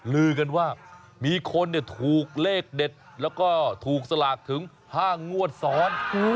ลือกันว่ามีคนถูกเลขเด็ดแล้วก็ถูกสลากถึง๕งวดซ้อน